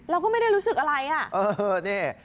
เราก็ไม่ได้รู้สึกอะไรอ่ะ